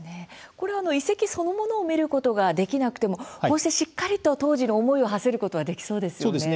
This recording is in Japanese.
遺跡そのものを見ることができなくても、しっかりと当時に思いをはせることはできそうですよね。